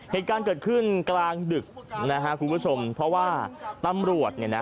เหตุการณ์เกิดขึ้นกลางดึกนะฮะคุณผู้ชมเพราะว่าตำรวจเนี่ยนะ